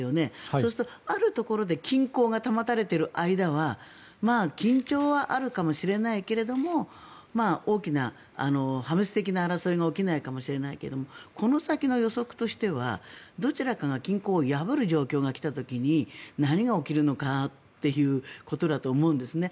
そうすると、あるところで均衡が保たれている間は緊張はあるかもしれないけど大きな破滅的な争いは起きないかもしれないけどこの先の予測としてはどちらかが均衡を破る状況が来た時に何が起きるのかということだと思うんですね。